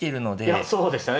いやそうでしたね。